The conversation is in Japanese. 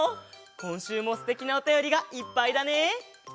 こんしゅうもすてきなおたよりがいっぱいだね！